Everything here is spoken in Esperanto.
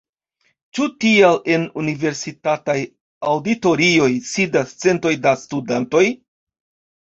Ĉu tial en universitataj aŭditorioj sidas centoj da studantoj?